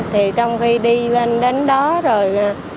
thì trong khi đi bên đến đó rồi